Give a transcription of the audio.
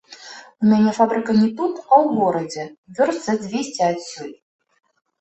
У мяне фабрыка не тут, а ў горадзе, вёрст за дзвесце адсюль.